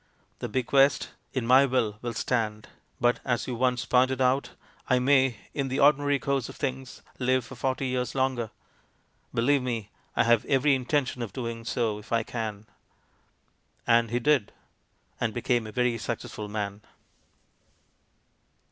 The bequest in my Will will stand. But, as you once pointed out, I may, in the ordinary course of things, hve for forty years longer. Believe me I have every intention of doing so if I can." And he did, and became a very successful man.